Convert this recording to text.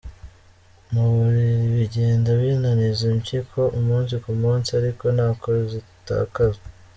mu mubiri, bigenda binaniza impyiko umunsi ku munsi ariko nako zitakaza